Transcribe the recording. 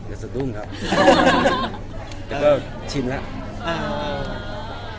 ยังสะดุ้งครับแต่ก็ชินแล้ว